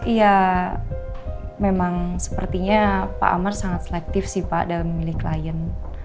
iya memang sepertinya pak amar sangat selektif sih pak dalam memilih klien